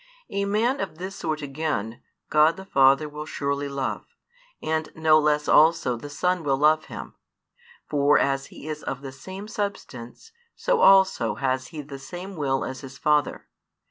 A man of this sort again, God the Father will surely love, and no less also the Son will love him. For as He is of the same Substance, so also has He the same Will as His Father.